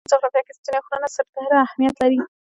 د افغانستان جغرافیه کې ستوني غرونه ستر اهمیت لري.